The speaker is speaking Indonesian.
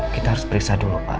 kita harus periksa dulu pak